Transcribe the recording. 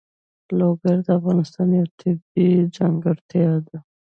لوگر د افغانستان یوه طبیعي ځانګړتیا ده.